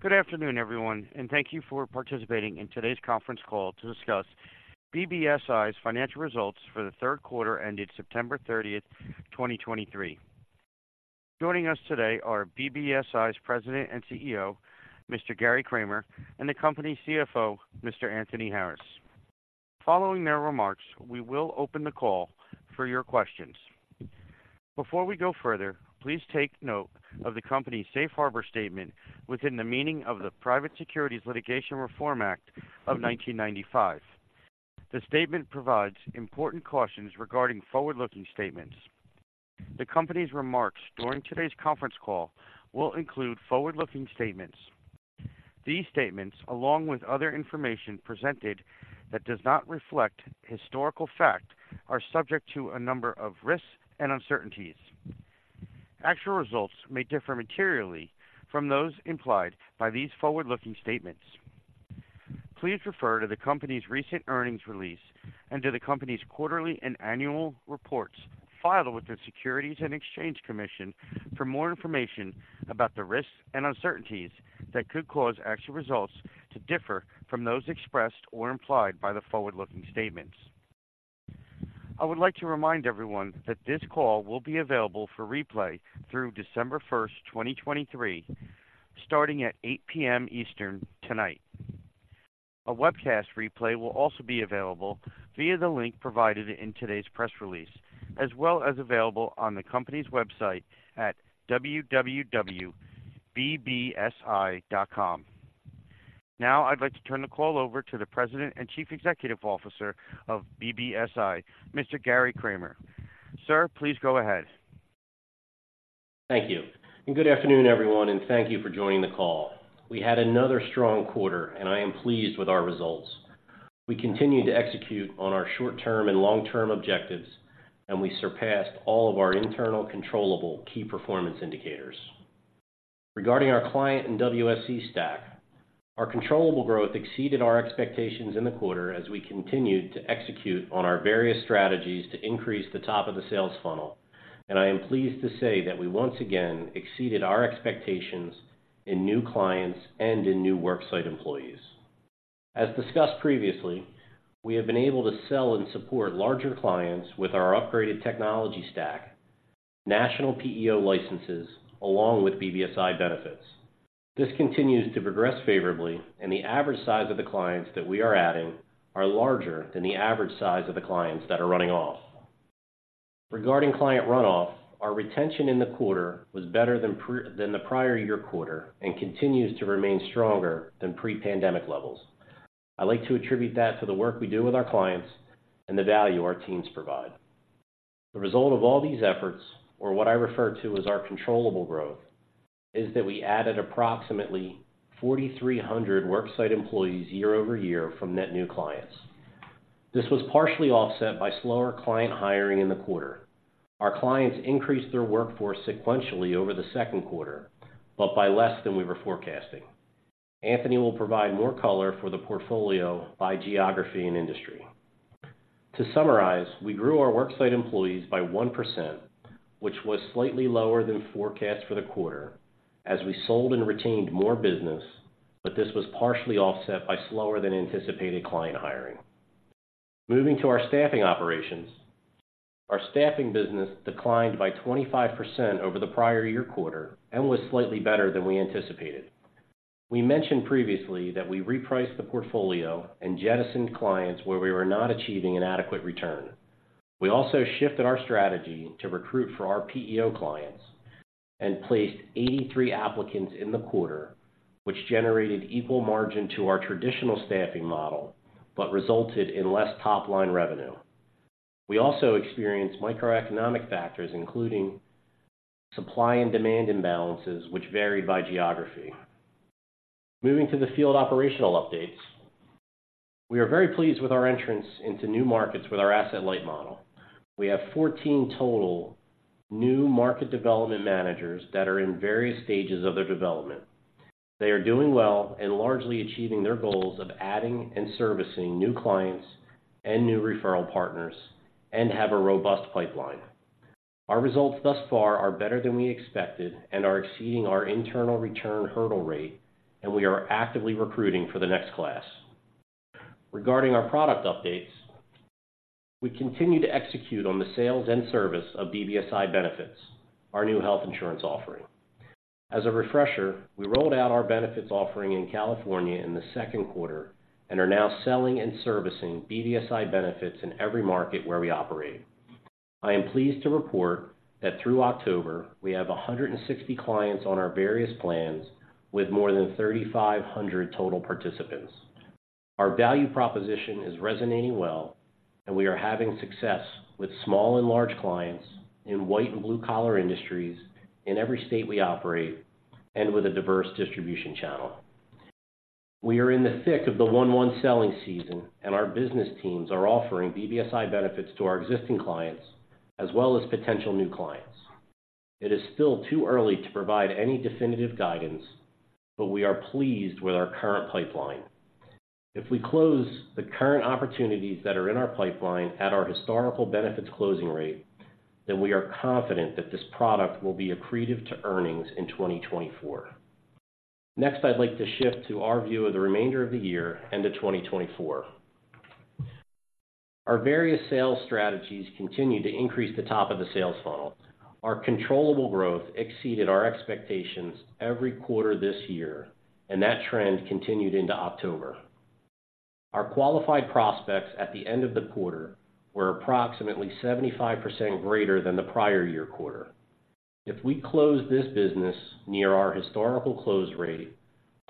Good afternoon, everyone, and thank you for participating in today's conference call to discuss BBSI's financial results for the third quarter ended September 30, 2023. Joining us today are BBSI's President and CEO, Mr. Gary Kramer, and the company's CFO, Mr. Anthony Harris. Following their remarks, we will open the call for your questions. Before we go further, please take note of the company's Safe Harbor statement within the meaning of the Private Securities Litigation Reform Act of 1995. The statement provides important cautions regarding forward-looking statements. The company's remarks during today's conference call will include forward-looking statements. These statements, along with other information presented that does not reflect historical fact, are subject to a number of risks and uncertainties. Actual results may differ materially from those implied by these forward-looking statements. Please refer to the company's recent earnings release and to the company's quarterly and annual reports filed with the Securities and Exchange Commission for more information about the risks and uncertainties that could cause actual results to differ from those expressed or implied by the forward-looking statements. I would like to remind everyone that this call will be available for replay through December 1, 2023, starting at 8:00 P.M. Eastern tonight. A webcast replay will also be available via the link provided in today's press release, as well as available on the company's website at www.bbsi.com. Now, I'd like to turn the call over to the President and Chief Executive Officer of BBSI, Mr. Gary Kramer. Sir, please go ahead. Thank you. Good afternoon, everyone, and thank you for joining the call. We had another strong quarter, and I am pleased with our results. We continued to execute on our short-term and long-term objectives, and we surpassed all of our internal controllable key performance indicators. Regarding our client and WSE stack, our controllable growth exceeded our expectations in the quarter as we continued to execute on our various strategies to increase the top of the sales funnel, and I am pleased to say that we once again exceeded our expectations in new clients and in new worksite employees. As discussed previously, we have been able to sell and support larger clients with our upgraded technology stack, national PEO licenses, along with BBSI Benefits. This continues to progress favorably, and the average size of the clients that we are adding are larger than the average size of the clients that are running off. Regarding client runoff, our retention in the quarter was better than the prior year quarter and continues to remain stronger than pre-pandemic levels. I'd like to attribute that to the work we do with our clients and the value our teams provide. The result of all these efforts, or what I refer to as our controllable growth, is that we added approximately 4,300 worksite employees year-over-year from net new clients. This was partially offset by slower client hiring in the quarter. Our clients increased their workforce sequentially over the second quarter, but by less than we were forecasting. Anthony will provide more color for the portfolio by geography and industry. To summarize, we grew our worksite employees by 1%, which was slightly lower than forecast for the quarter as we sold and retained more business, but this was partially offset by slower than anticipated client hiring. Moving to our staffing operations. Our staffing business declined by 25% over the prior year quarter and was slightly better than we anticipated. We mentioned previously that we repriced the portfolio and jettisoned clients where we were not achieving an adequate return. We also shifted our strategy to recruit for our PEO clients and placed 83 applicants in the quarter, which generated equal margin to our traditional staffing model, but resulted in less top-line revenue. We also experienced microeconomic factors, including supply and demand imbalances, which varied by geography. Moving to the field operational updates. We are very pleased with our entrance into new markets with our asset-light model. We have 14 total new market development managers that are in various stages of their development. They are doing well and largely achieving their goals of adding and servicing new clients and new referral partners and have a robust pipeline. Our results thus far are better than we expected and are exceeding our internal return hurdle rate, and we are actively recruiting for the next class. Regarding our product updates, we continue to execute on the sales and service of BBSI Benefits, our new health insurance offering. As a refresher, we rolled out our benefits offering in California in the second quarter and are now selling and servicing BBSI Benefits in every market where we operate. I am pleased to report that through October, we have 160 clients on our various plans, with more than 3,500 total participants. Our value proposition is resonating well, and we are having success with small and large clients in white and blue-collar industries in every state we operate and with a diverse distribution channel. We are in the thick of the Q1 selling season, and our business teams are offering BBSI Benefits to our existing clients as well as potential new clients. It is still too early to provide any definitive guidance, but we are pleased with our current pipeline... If we close the current opportunities that are in our pipeline at our historical benefits closing rate, then we are confident that this product will be accretive to earnings in 2024. Next, I'd like to shift to our view of the remainder of the year into 2024. Our various sales strategies continue to increase the top of the sales funnel. Our controllable growth exceeded our expectations every quarter this year, and that trend continued into October. Our qualified prospects at the end of the quarter were approximately 75% greater than the prior year quarter. If we close this business near our historical close rate,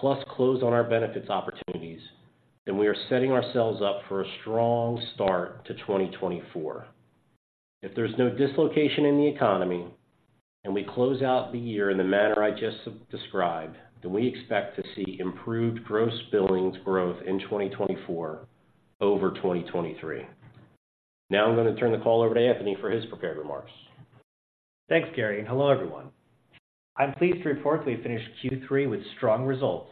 plus close on our benefits opportunities, then we are setting ourselves up for a strong start to 2024. If there's no dislocation in the economy and we close out the year in the manner I just described, then we expect to see improved gross billings growth in 2024 over 2023. Now I'm going to turn the call over to Anthony for his prepared remarks. Thanks, Gary, and hello, everyone. I'm pleased to report we finished Q3 with strong results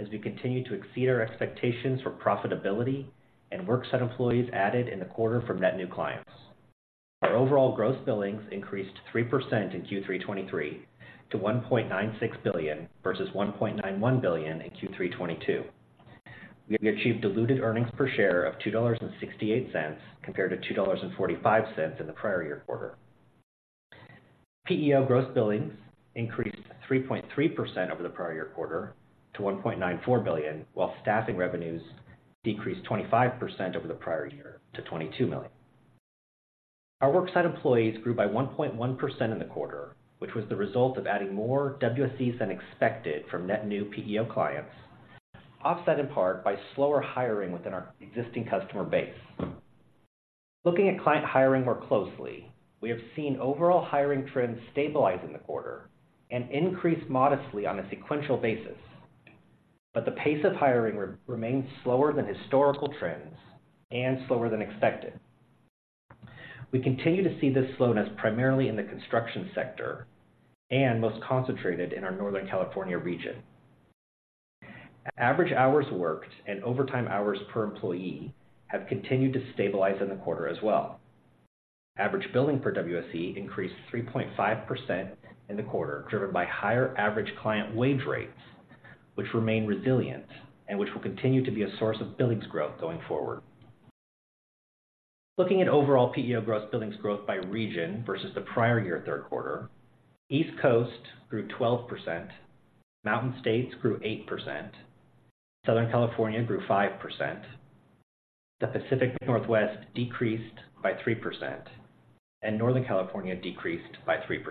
as we continue to exceed our expectations for profitability and worksite employees added in the quarter from net new clients. Our overall gross billings increased 3% in Q3 2023 to $1.96 billion versus $1.91 billion in Q3 2022. We achieved diluted earnings per share of $2.68, compared to $2.45 in the prior year quarter. PEO gross billings increased 3.3% over the prior year quarter to $1.94 billion, while staffing revenues decreased 25% over the prior year to $22 million. Our worksite employees grew by 1.1% in the quarter, which was the result of adding more WSEs than expected from net new PEO clients, offset in part by slower hiring within our existing customer base. Looking at client hiring more closely, we have seen overall hiring trends stabilize in the quarter and increase modestly on a sequential basis. But the pace of hiring remains slower than historical trends and slower than expected. We continue to see this slowness primarily in the construction sector and most concentrated in our Northern California region. Average hours worked and overtime hours per employee have continued to stabilize in the quarter as well. Average billing per WSE increased 3.5% in the quarter, driven by higher average client wage rates, which remain resilient and which will continue to be a source of billings growth going forward. Looking at overall PEO gross billings growth by region versus the prior year, third quarter, East Coast grew 12%, Mountain States grew 8%, Southern California grew 5%, the Pacific Northwest decreased by 3%, and Northern California decreased by 3%.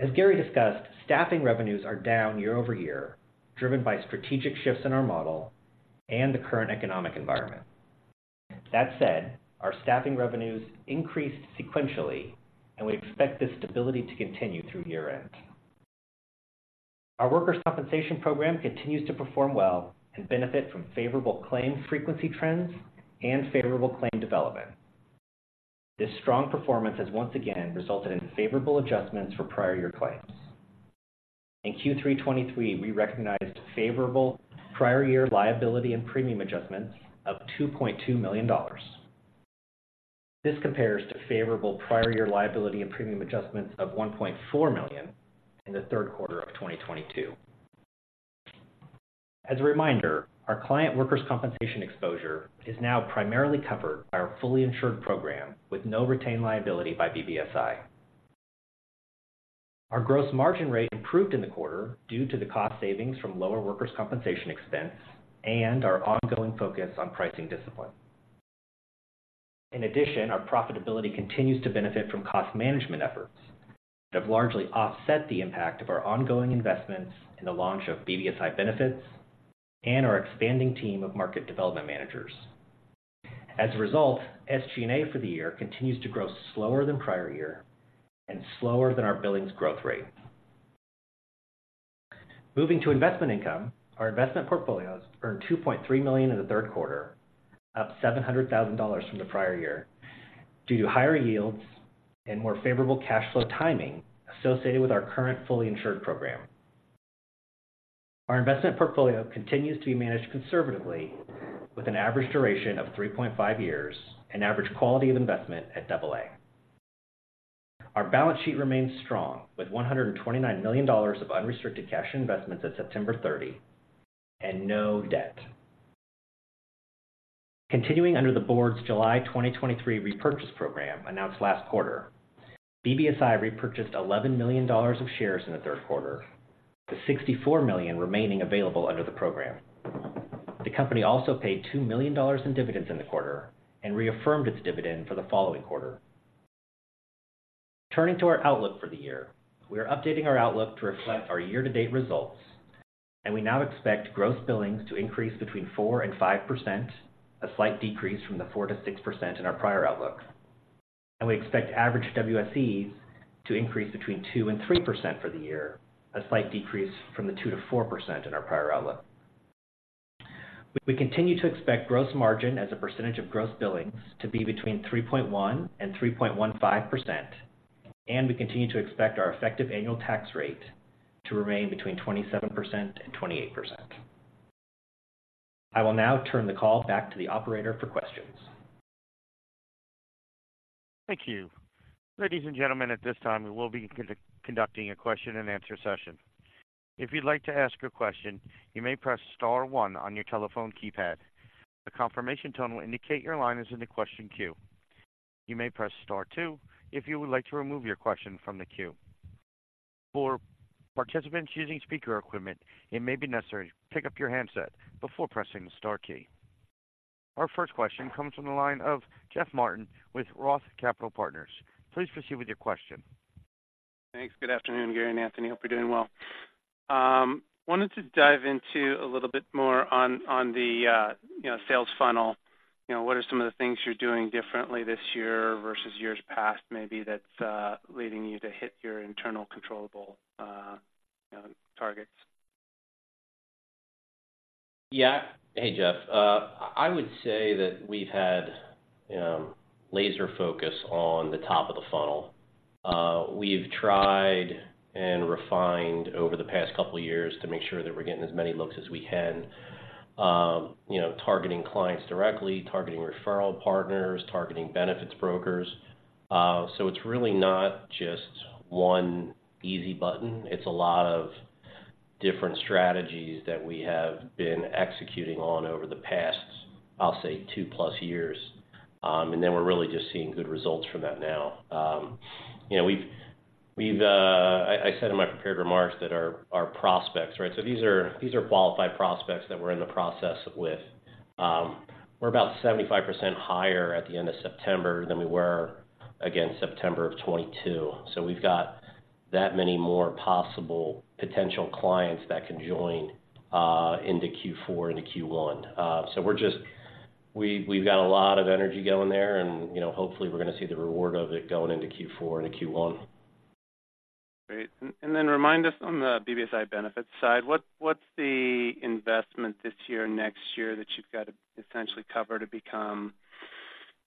As Gary discussed, staffing revenues are down year-over-year, driven by strategic shifts in our model and the current economic environment. That said, our staffing revenues increased sequentially, and we expect this stability to continue through year-end. Our workers' compensation program continues to perform well and benefit from favorable claim frequency trends and favorable claim development. This strong performance has once again resulted in favorable adjustments for prior year claims. In Q3 2023, we recognized favorable prior year liability and premium adjustments of $2.2 million. This compares to favorable prior year liability and premium adjustments of $1.4 million in the third quarter of 2022. As a reminder, our client workers' compensation exposure is now primarily covered by our fully insured program, with no retained liability by BBSI. Our gross margin rate improved in the quarter due to the cost savings from lower workers' compensation expense and our ongoing focus on pricing discipline. In addition, our profitability continues to benefit from cost management efforts that have largely offset the impact of our ongoing investments in the launch of BBSI Benefits and our expanding team of market development managers. As a result, SG&A for the year continues to grow slower than prior year and slower than our billings growth rate. Moving to investment income, our investment portfolios earned $2.3 million in the third quarter, up $700,000 from the prior year, due to higher yields and more favorable cash flow timing associated with our current fully insured program. Our investment portfolio continues to be managed conservatively, with an average duration of 3.5 years and average quality of investment at AA. Our balance sheet remains strong, with $129 million of unrestricted cash investments at September 30th, and no debt. Continuing under the board's July 2023 repurchase program announced last quarter, BBSI repurchased $11 million of shares in the third quarter, with $64 million remaining available under the program. The company also paid $2 million in dividends in the quarter and reaffirmed its dividend for the following quarter. Turning to our outlook for the year, we are updating our outlook to reflect our year-to-date results, and we now expect gross billings to increase between 4% and 5%, a slight decrease from the 4%-6% in our prior outlook. We expect average WSEs to increase between 2% and 3% for the year, a slight decrease from the 2%-4% in our prior outlook. We continue to expect gross margin as a percentage of gross billings to be between 3.1% and 3.15%, and we continue to expect our effective annual tax rate to remain between 27% and 28%. I will now turn the call back to the operator for questions. Thank you. Ladies and gentlemen, at this time, we will be conducting a question and answer session. If you'd like to ask a question, you may press star one on your telephone keypad. A confirmation tone will indicate your line is in the question queue. You may press star two if you would like to remove your question from the queue. For participants using speaker equipment, it may be necessary to pick up your handset before pressing the star key. Our first question comes from the line of Jeff Martin with Roth Capital Partners. Please proceed with your question. Thanks. Good afternoon, Gary and Anthony. Hope you're doing well. Wanted to dive into a little bit more on, on the, you know, sales funnel. You know, what are some of the things you're doing differently this year versus years past, maybe that's leading you to hit your internal controllable, you know, targets? Yeah. Hey, Jeff. I would say that we've had laser focus on the top of the funnel. We've tried and refined over the past couple of years to make sure that we're getting as many looks as we can, you know, targeting clients directly, targeting referral partners, targeting benefits brokers. So it's really not just one easy button. It's a lot of different strategies that we have been executing on over the past, I'll say, 2+ years. And then we're really just seeing good results from that now. You know, we've said in my prepared remarks that our prospects, right? So these are qualified prospects that we're in the process with. We're about 75% higher at the end of September than we were, again, September of 2022. So we've got that many more possible potential clients that can join into Q4 into Q1. So we've got a lot of energy going there, and, you know, hopefully, we're going to see the reward of it going into Q4 and Q1. Great. And then remind us on the BBSI Benefits side, what's the investment this year, next year, that you've got to essentially cover to become,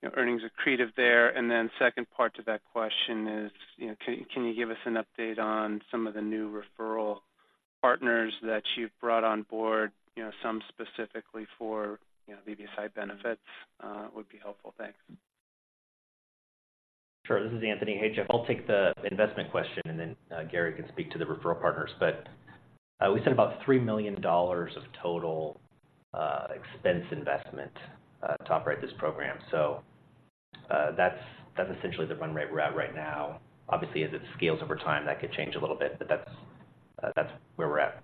you know, earnings accretive there? And then second part to that question is, you know, can you give us an update on some of the new referral partners that you've brought on board, you know, some specifically for, you know, BBSI Benefits, would be helpful. Thanks. Sure. This is Anthony. Hey, Jeff. I'll take the investment question, and then Gary can speak to the referral partners. But we said about $3 million of total expense investment to operate this program. So that's essentially the run rate we're at right now. Obviously, as it scales over time, that could change a little bit, but that's where we're at.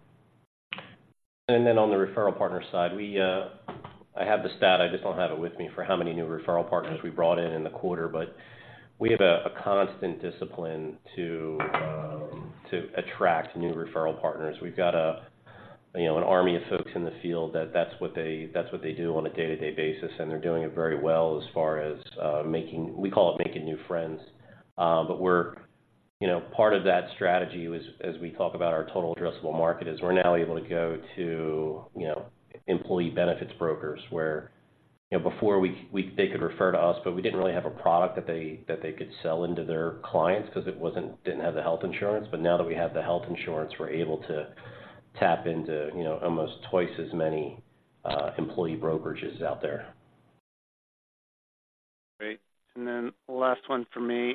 And then on the referral partner side, we, I have the stat; I just don't have it with me, for how many new referral partners we brought in in the quarter. But we have a constant discipline to attract new referral partners. We've got a, you know, an army of folks in the field that's what they do on a day-to-day basis, and they're doing it very well as far as making. We call it making new friends. But we're, you know, part of that strategy was, as we talk about our total addressable market, is we're now able to go to, you know, employee benefits brokers, where, you know, before we, they could refer to us, but we didn't really have a product that they could sell into their clients because it didn't have the health insurance. But now that we have the health insurance, we're able to tap into, you know, almost twice as many employee brokerages out there. Great. Last one for me.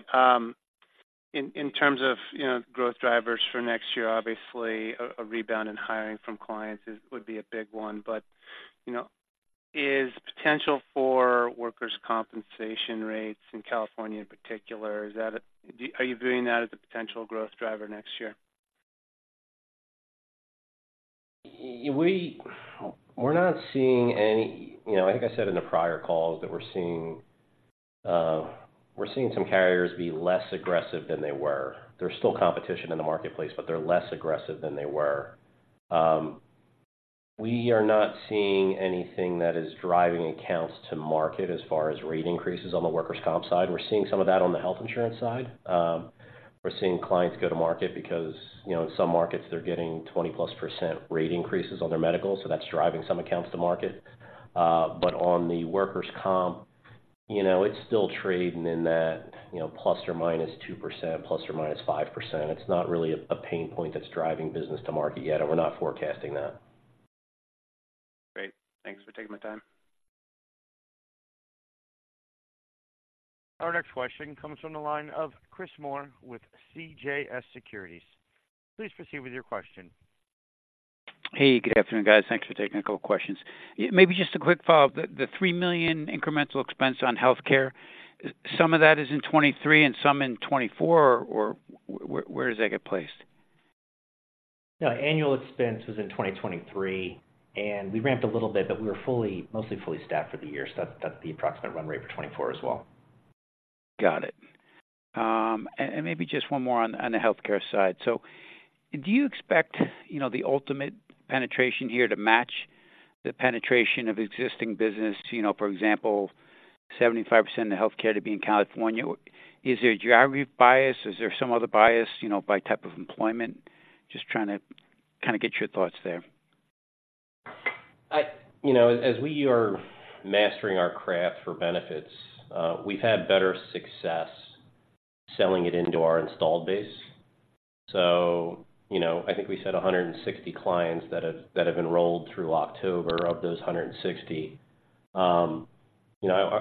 In terms of, you know, growth drivers for next year, obviously a rebound in hiring from clients is, would be a big one. But, you know, is potential for workers' compensation rates in California in particular, is that a-- do, are you viewing that as a potential growth driver next year? We're not seeing any. You know, I think I said in the prior calls that we're seeing, we're seeing some carriers be less aggressive than they were. There's still competition in the marketplace, but they're less aggressive than they were. We are not seeing anything that is driving accounts to market as far as rate increases on the workers' comp side. We're seeing some of that on the health insurance side. We're seeing clients go to market because, you know, in some markets, they're getting 20%+ rate increases on their medical, so that's driving some accounts to market. But on the workers' comp, you know, it's still trading in that, you know, ±2%, ±5%. It's not really a pain point that's driving business to market yet, and we're not forecasting that. Great. Thanks for taking my time. Our next question comes from the line of Chris Moore with CJS Securities. Please proceed with your question. Hey, good afternoon, guys. Thanks for taking a couple questions. Maybe just a quick follow-up. The $3 million incremental expense on healthcare, some of that is in 2023 and some in 2024, or where does that get placed? No, annual expense was in 2023, and we ramped a little bit, but we were fully, mostly fully staffed for the year, so that's, that's the approximate run rate for 2024 as well. Got it. And maybe just one more on the healthcare side. So do you expect, you know, the ultimate penetration here to match the penetration of existing business? You know, for example, 75% of the healthcare to be in California. Is there a geography bias? Is there some other bias, you know, by type of employment? Just trying to kind of get your thoughts there. ... You know, as we are mastering our craft for benefits, we've had better success selling it into our installed base. So, you know, I think we said 160 clients that have enrolled through October. Of those 160, you know,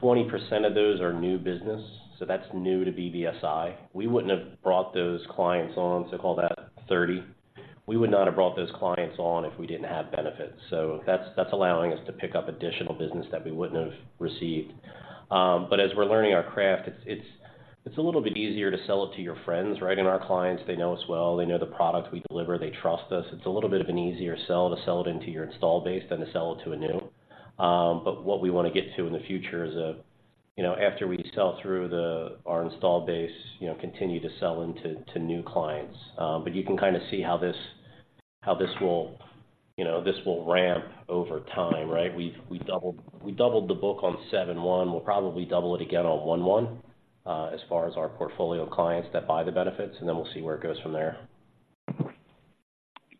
20% of those are new business, so that's new to BBSI. We wouldn't have brought those clients on, so call that 30. We would not have brought those clients on if we didn't have benefits, so that's allowing us to pick up additional business that we wouldn't have received. But as we're learning our craft, it's a little bit easier to sell it to your friends, right? And our clients, they know us well, they know the products we deliver. They trust us. It's a little bit of an easier sell to sell it into your installed base than to sell it to a new. But what we want to get to in the future is a, you know, after we sell through the, our installed base, you know, continue to sell into, to new clients. But you can kind of see how this, how this will, you know, this will ramp over time, right? We've we doubled, we doubled the book on 7/1. We'll probably double it again on 1/1, as far as our portfolio of clients that buy the benefits, and then we'll see where it goes from there.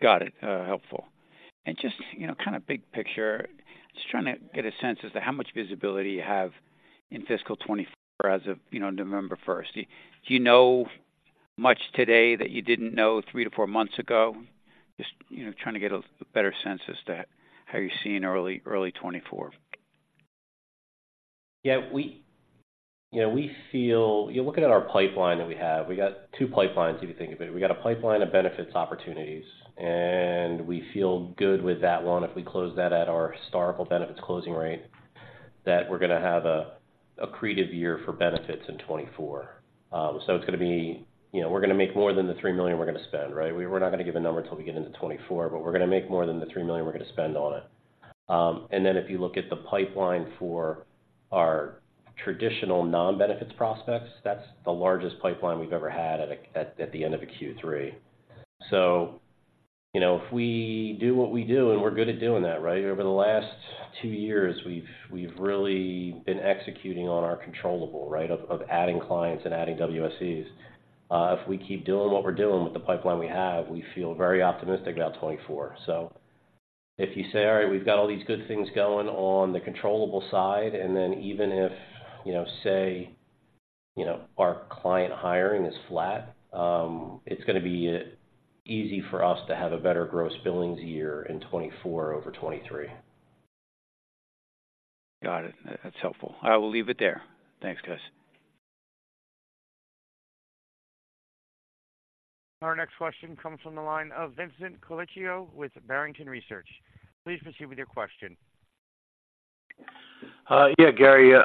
Got it. Helpful. And just, you know, kind of big picture, just trying to get a sense as to how much visibility you have in fiscal 2024 as of, you know, November 1. Do you know much today that you didn't know 3-4 months ago? Just, you know, trying to get a better sense as to how you're seeing early 2024. Yeah, we... You know, we feel-- You're looking at our pipeline that we have. We got two pipelines, if you think of it. We got a pipeline of benefits opportunities, and we feel good with that one. If we close that at our historical benefits closing rate, that we're gonna have a, accretive year for benefits in 2024. You know, we're gonna make more than the $3 million we're gonna spend, right? We're not gonna give a number until we get into 2024, but we're gonna make more than the $3 million we're gonna spend on it. If you look at the pipeline for our traditional non-benefits prospects, that's the largest pipeline we've ever had at a, at, at the end of a Q3. You know, if we do what we do, and we're good at doing that, right? Over the last two years, we've really been executing on our controllable, right, of adding clients and adding WSEs. If we keep doing what we're doing with the pipeline we have, we feel very optimistic about 2024. So if you say, all right, we've got all these good things going on the controllable side, and then even if, you know, say, you know, our client hiring is flat, it's gonna be easy for us to have a better gross billings year in 2024 over 2023. Got it. That's helpful. I will leave it there. Thanks, guys. Our next question comes from the line of Vincent Colicchio with Barrington Research. Please proceed with your question. Yeah, Gary, you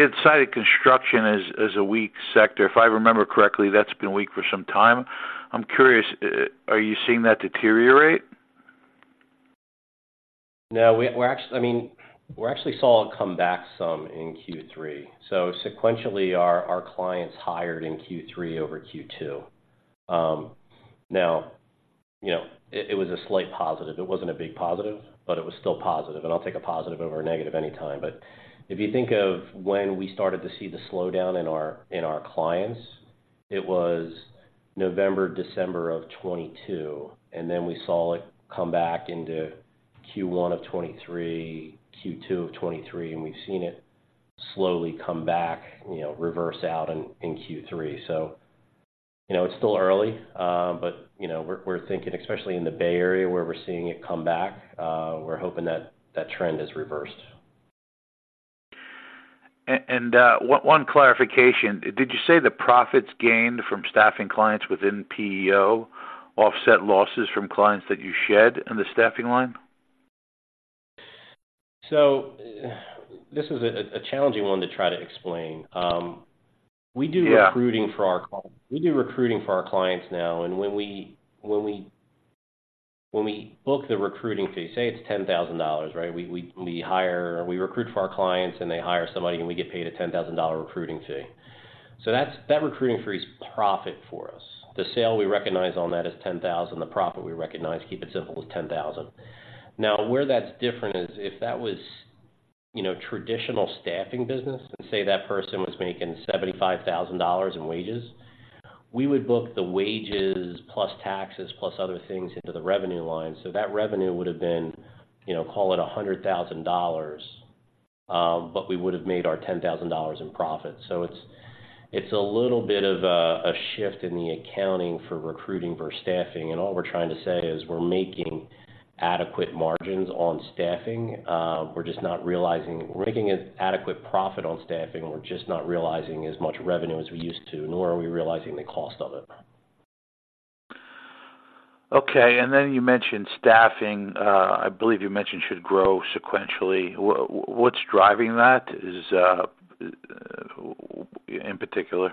had cited construction as, as a weak sector. If I remember correctly, that's been weak for some time. I'm curious, are you seeing that deteriorate? No, we're actually... I mean, we actually saw it come back some in Q3. Sequentially, our clients hired in Q3 over Q2. Now, you know, it was a slight positive. It wasn't a big positive, but it was still positive, and I'll take a positive over a negative anytime. If you think of when we started to see the slowdown in our clients, it was November, December of 2022, and then we saw it come back into Q1 of 2023, Q2 of 2023, and we've seen it slowly come back, you know, reverse out in Q3. You know, it's still early, but, you know, we're thinking, especially in the Bay Area, where we're seeing it come back, we're hoping that that trend has reversed. And, one clarification: Did you say the profits gained from staffing clients within PEO offset losses from clients that you shed in the staffing line? So this is a challenging one to try to explain. Yeah. We do recruiting for our clients now, and when we book the recruiting fee, say, it's $10,000, right? We recruit for our clients, and they hire somebody, and we get paid a $10,000 recruiting fee. So that's, that recruiting fee is profit for us. The sale we recognize on that is $10,000. The profit we recognize, keep it simple, is $10,000. Now, where that's different is, if that was, you know, traditional staffing business and say that person was making $75,000 in wages, we would book the wages plus taxes, plus other things into the revenue line. So that revenue would have been, you know, call it $100,000, but we would have made our $10,000 in profit. So it's a little bit of a shift in the accounting for recruiting versus staffing, and all we're trying to say is we're making adequate margins on staffing. We're just not realizing... We're making an adequate profit on staffing. We're just not realizing as much revenue as we used to, nor are we realizing the cost of it. Okay, you mentioned staffing, I believe you mentioned should grow sequentially. What's driving that? Is, in particular?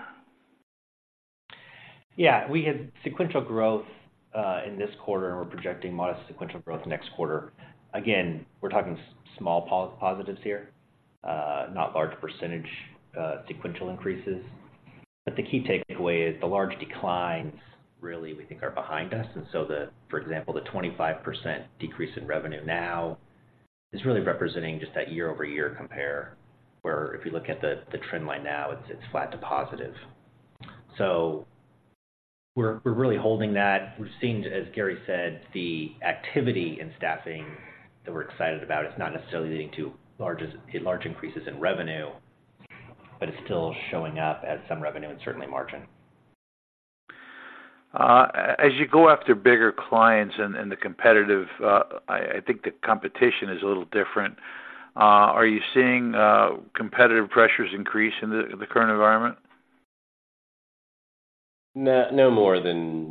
Yeah. We had sequential growth in this quarter, and we're projecting modest sequential growth next quarter. Again, we're talking small positives here, not large percentage sequential increases. But the key takeaway is the large declines really, we think, are behind us, and so the, for example, the 25% decrease in revenue now is really representing just that year-over-year compare, where if you look at the trend line now, it's flat to positive. We're really holding that. We're seeing, as Gary said, the activity in staffing that we're excited about. It's not necessarily leading to large increases in revenue, but it's still showing up as some revenue and certainly margin. As you go after bigger clients and I think the competition is a little different. Are you seeing competitive pressures increase in the current environment? No, no more than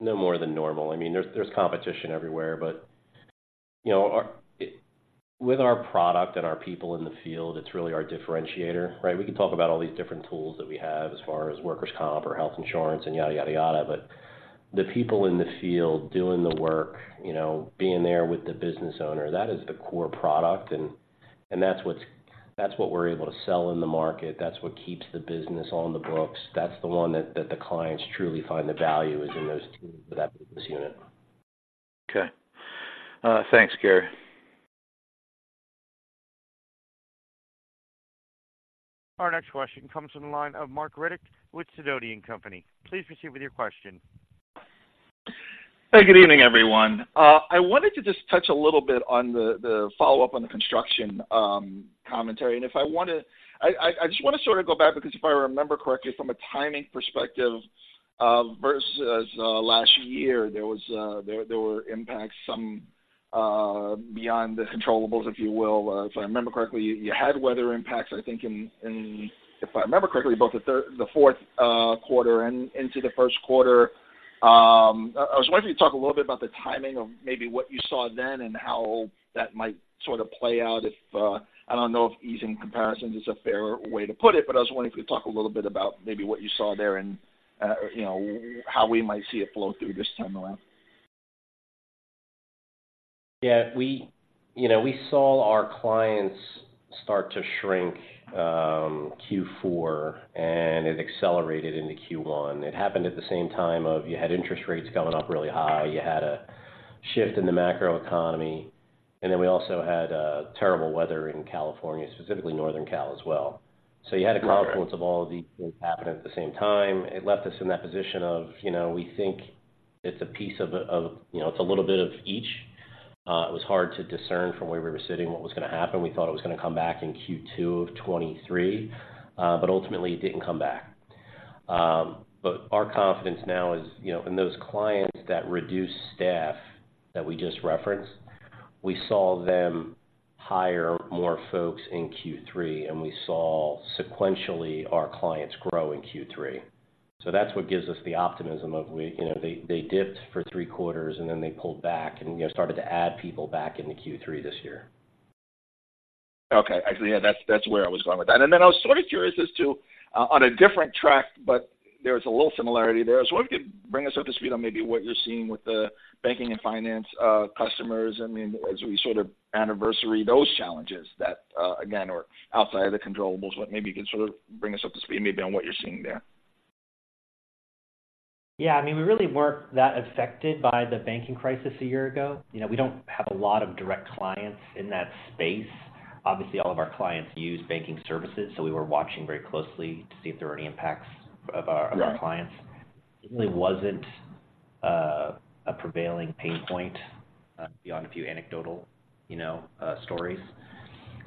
normal. I mean, there's competition everywhere, but, you know, with our product and our people in the field, it's really our differentiator, right? We could talk about all these different tools that we have as far as workers' comp or health insurance and yada, yada, yada. But the people in the field doing the work, you know, being there with the business owner, that is a core product, and that's what we're able to sell in the market. That's what keeps the business on the books. That's the one that the clients truly find the value is in those teams for that Business Unit. Okay. Thanks, Gary. Our next question comes from the line of Marc Riddick with Sidoti & Company. Please proceed with your question. Hey, good evening, everyone. I wanted to just touch a little bit on the follow-up on the construction commentary. And if I wanna, I just wanna sort of go back, because if I remember correctly, from a timing perspective, versus last year, there were impacts, some beyond the controllables, if you will. If I remember correctly, you had weather impacts, I think, in both the third, the fourth quarter and into the first quarter. I was wondering if you could talk a little bit about the timing of maybe what you saw then and how that might sort of play out if I don't know if easing comparisons is a fair way to put it, but I was wondering if you could talk a little bit about maybe what you saw there and, you know, how we might see it flow through this time around. Yeah, we, you know, we saw our clients start to shrink Q4, and it accelerated into Q1. It happened at the same time of you had interest rates going up really high, you had a shift in the macroeconomy, and then we also had terrible weather in California, specifically Northern Cal as well. So you had a confluence of all of these things happening at the same time. It left us in that position of, you know, we think it's a piece of, of, you know, it's a little bit of each. It was hard to discern from where we were sitting, what was gonna happen. We thought it was gonna come back in Q2 of 2023, but ultimately, it didn't come back. But our confidence now is, you know, in those clients that reduced staff that we just referenced, we saw them hire more folks in Q3, and we saw sequentially our clients grow in Q3. So that's what gives us the optimism of we, you know, they, they dipped for three quarters, and then they pulled back and, you know, started to add people back into Q3 this year. Okay. Actually, yeah, that's, that's where I was going with that. And then I was sort of curious as to, on a different track, but there's a little similarity there. I was wondering if you could bring us up to speed on maybe what you're seeing with the banking and finance customers. I mean, as we sort of anniversary those challenges that, again, are outside of the controllables, what maybe you can sort of bring us up to speed maybe on what you're seeing there. Yeah, I mean, we really weren't that affected by the banking crisis a year ago. You know, we don't have a lot of direct clients in that space. Obviously, all of our clients use banking services, so we were watching very closely to see if there were any impacts of our- Yeah. - of our clients. It really wasn't a prevailing pain point beyond a few anecdotal, you know, stories.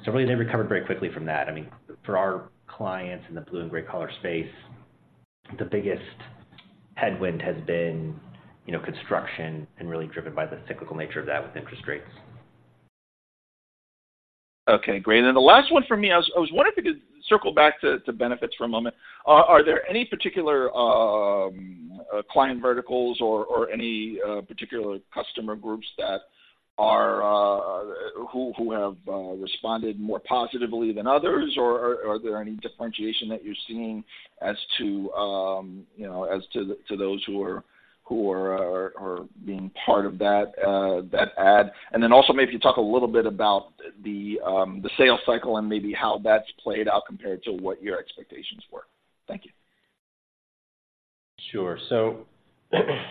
So really, they recovered very quickly from that. I mean, for our clients in the blue- and gray-collar space, the biggest headwind has been, you know, construction, and really driven by the cyclical nature of that with interest rates. Okay, great. The last one for me, I was wondering if you could circle back to benefits for a moment. Are there any particular client verticals or any particular customer groups that are, who have responded more positively than others? Are there any differentiation that you're seeing as to, you know, as to those who are being part of that add? Also, maybe talk a little bit about the sales cycle and maybe how that's played out compared to what your expectations were. Thank you. Sure. So,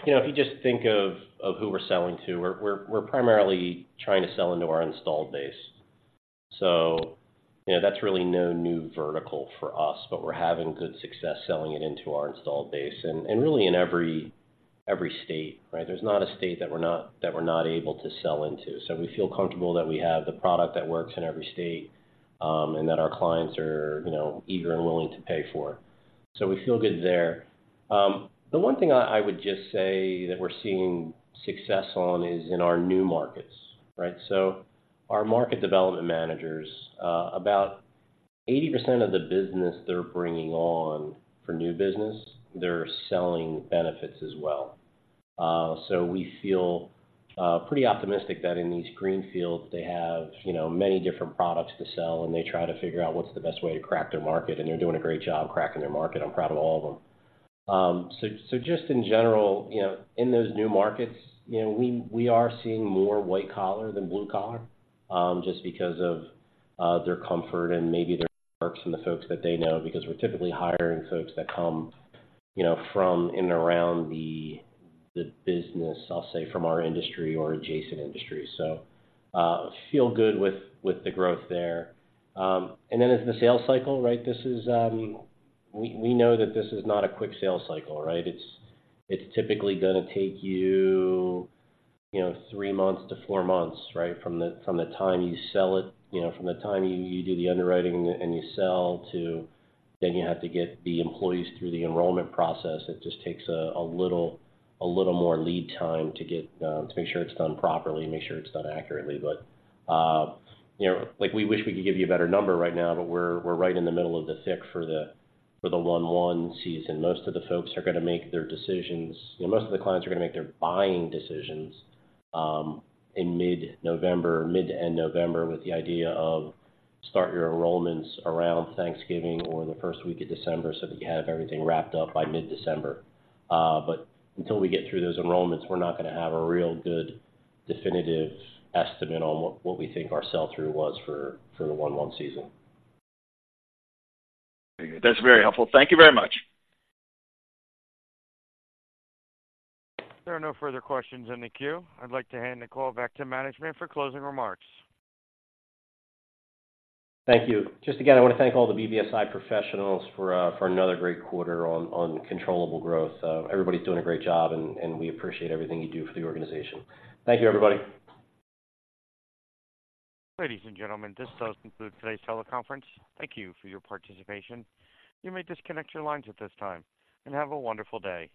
you know, if you just think of who we're selling to, we're primarily trying to sell into our installed base. So, you know, that's really no new vertical for us, but we're having good success selling it into our installed base, and really in every state, right? There's not a state that we're not able to sell into. So we feel comfortable that we have the product that works in every state, and that our clients are, you know, eager and willing to pay for. So we feel good there. The one thing I would just say that we're seeing success on is in our new markets, right? So our market development managers, about 80% of the business they're bringing on for new business, they're selling benefits as well. So we feel pretty optimistic that in these greenfields, they have, you know, many different products to sell, and they try to figure out what's the best way to crack their market, and they're doing a great job cracking their market. I'm proud of all of them. So just in general, you know, in those new markets, you know, we are seeing more white collar than blue collar just because of their comfort and maybe their networks and the folks that they know, because we're typically hiring folks that come, you know, from and around the business, I'll say, from our industry or adjacent industry. So feel good with the growth there. And then as the sales cycle, right? This is, we know that this is not a quick sales cycle, right? It's typically gonna take you, you know, 3-4 months, right? From the time you sell it, you know, from the time you do the underwriting and you sell to... Then you have to get the employees through the enrollment process. It just takes a little more lead time to make sure it's done properly and make sure it's done accurately. But you know, like, we wish we could give you a better number right now, but we're right in the middle of the thick of the open enrollment season. Most of the folks are gonna make their decisions, you know, most of the clients are gonna make their buying decisions, in mid-November, mid to end November, with the idea of start your enrollments around Thanksgiving or the first week of December, so that you have everything wrapped up by mid-December. But until we get through those enrollments, we're not gonna have a real good definitive estimate on what we think our sell-through was for the 1/1 season. That's very helpful. Thank you very much. There are no further questions in the queue. I'd like to hand the call back to management for closing remarks. Thank you. Just again, I wanna thank all the BBSI professionals for, for another great quarter on, on controllable growth. Everybody's doing a great job, and, and we appreciate everything you do for the organization. Thank you, everybody. Ladies and gentlemen, this does conclude today's teleconference. Thank you for your participation. You may disconnect your lines at this time, and have a wonderful day.